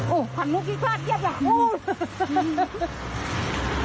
โอ้ผันมุกริ้งพลาดเย็บอย่าง